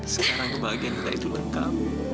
sekarang kebahagiaan kita itu untuk kamu